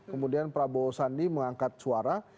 kemudian prabowo sandi mengangkat suara